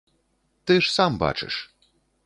Ты ж сам бачыш.